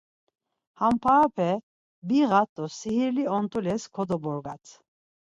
Ham parape biğat do sihirli ont̆ules kodoborgat.